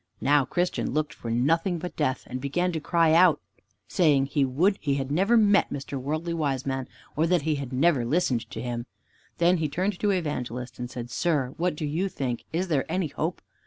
Now Christian looked for nothing but death, and began to cry out, saying he would he had never met Mr. Worldly Wiseman or that he had never listened to him. Then he turned to Evangelist and said, "Sir, what do you think? Is there any hope?